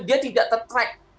dia tidak ter track